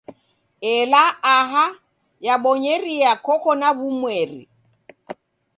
Ela aha, yabonyeria koko na w'umweri.